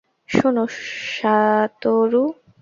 শোনো, সাতোরু।